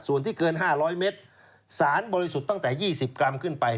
ส่วนที่เกิน๕๐๐เมตรสารบริสุทธิ์ตั้งแต่๒๐กรัมขึ้นไป